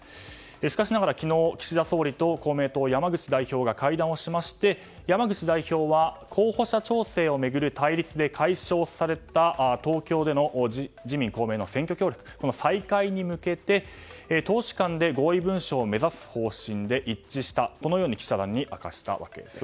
しかしながら昨日、岸田総理と公明党の山口代表が会談をしまして山口代表は、候補者調整を巡る対立で解消された東京での自民・公明の選挙協力その再開に向けて党首間で合意文書を目指す方針で一致したと記者団に明かしたわけです。